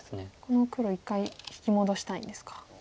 この黒一回引き戻したいんですか。